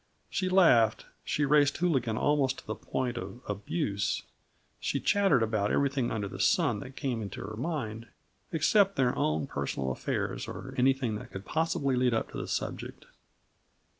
She laughed, she raced Hooligan almost to the point of abuse, she chattered about everything under the sun that came into her mind, except their own personal affairs or anything that could possibly lead up to the subject.